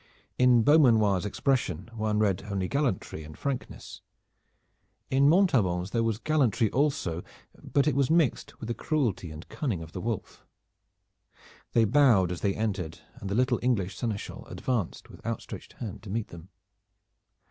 In Beaumanoir's expression one read only gallantry and frankness; in Montaubon's there was gallantry also, but it was mixed with the cruelty and cunning of the wolf. They bowed as they entered, and the little English seneschal advanced with outstretched hand to meet them.